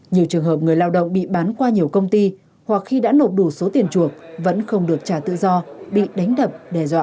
nhiều trường hợp người lao động bị bán qua nhiều công ty hoặc khi đã nộp đủ số tiền chuộc vẫn không được trả tự do bị đánh đập đe dọa